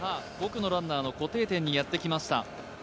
５区のランナーの固定点にやってきました。